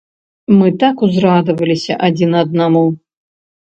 Мы так узрадаваліся адзін аднаму.